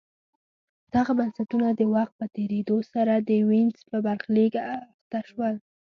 دغه بنسټونه د وخت په تېرېدو سره د وینز په برخلیک اخته شول